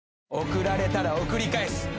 送られたら送り返す。